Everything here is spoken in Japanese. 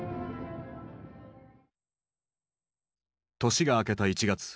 年が明けた１月。